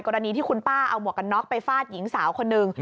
กรณีที่คุณป้าเอาหมวกกันน็อกไปฟาดหญิงสาวคนหนึ่ง